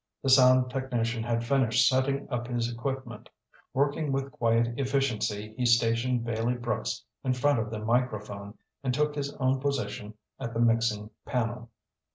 The sound technician had finished setting up his equipment. Working with quiet efficiency, he stationed Bailey Brooks in front of the microphone, and took his own position at the mixing panel.